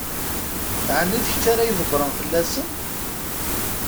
Ɛni d kečč ara ydebbṛen fell-asen?